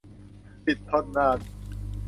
ติดทนนาน